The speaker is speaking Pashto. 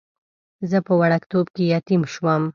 زه په وړکتوب کې یتیم شوم.